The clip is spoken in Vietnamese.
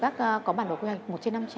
có bản đồ quy hoạch một trên năm trăm linh